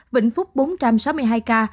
vĩnh phúc bốn trăm sáu mươi hai ca